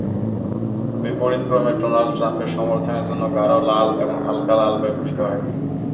বিপরীতক্রমে ডোনাল্ড ট্রাম্পের সমর্থনের জন্য গাঢ় লাল এবং হালকা লাল ব্যবহৃত হয়েছে।